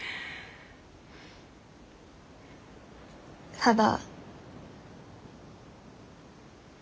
ただ。